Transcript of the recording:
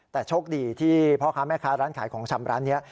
แต่โชคดีที่พ่อค้าแม่ค้าร้านขายของชำร้านนี้